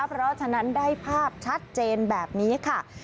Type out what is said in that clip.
เพราะฉะนั้นได้ภาพชัดเจนแบบนี้ค่ะ